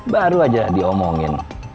baru aja diomongin